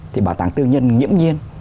thì bảo tàng tư nhân nghiễm nhiên